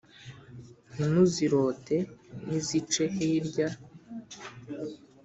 ntimuzirote nizice hirya